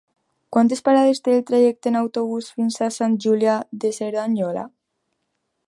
Quantes parades té el trajecte en autobús fins a Sant Julià de Cerdanyola?